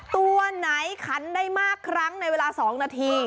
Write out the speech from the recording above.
ตัวไหนขันได้มากครั้งในเวลา๒นาที